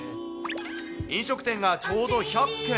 飲食店がちょうど１００軒。